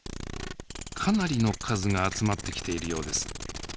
かなりの数が集まってきているようです。